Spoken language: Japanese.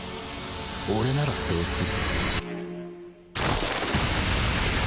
俺ならそうする。